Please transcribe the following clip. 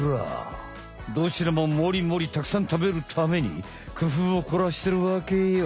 どちらもモリモリたくさん食べるためにくふうをこらしてるわけよ。